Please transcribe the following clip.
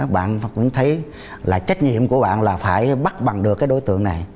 bạn cũng thấy là trách nhiệm của bạn là phải bắt bằng được cái đối tượng này